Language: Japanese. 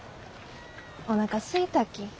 おなかすいたき。